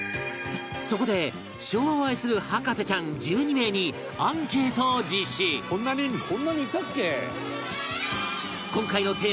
そこで、昭和を愛する博士ちゃん１２名にアンケートを実施富澤：こんなにいるの？